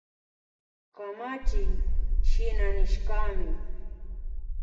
Kamachiy shina nishkami